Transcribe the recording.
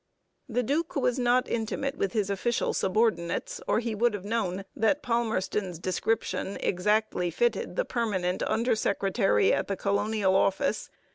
The duke was not intimate with his official subordinates, or he would have known that Palmerston's description exactly fitted the permanent under secretary at the Colonial Office.